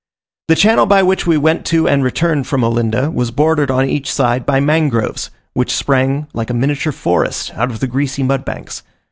The channel by which we went to and returned from Olinda, was bordered on each side by mangroves, which sprang like a miniature forest out of the greasy mud banks.